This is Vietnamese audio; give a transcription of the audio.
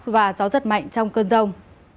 và gió rất mạnh trong cơn rông